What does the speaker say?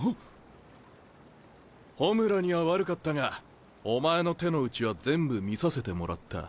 ホムラには悪かったがお前の手の内は全部見させてもらった。